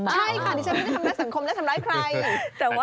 ใช่ค่ะดิฉันไม่ได้ทำหน้าสังคมและทำร้ายใคร